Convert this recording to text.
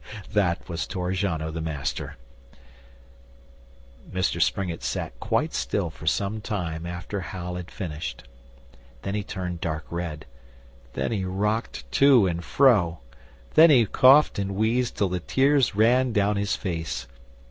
That was Torrigiano the Master!' Mr Springett sat quite still for some time after Hal had finished. Then he turned dark red; then he rocked to and fro; then he coughed and wheezed till the tears ran down his face.